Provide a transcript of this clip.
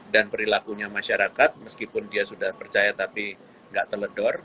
dan perilakunya masyarakat meskipun dia sudah percaya tapi tidak terledor